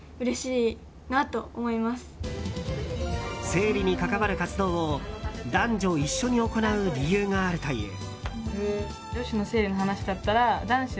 生理に関わる活動を男女一緒に行う理由があるという。